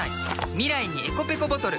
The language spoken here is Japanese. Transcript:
未来にｅｃｏペコボトル。